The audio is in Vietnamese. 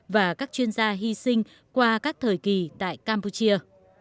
và các chuyên gia hy sinh qua các thời kỳ tại campuchia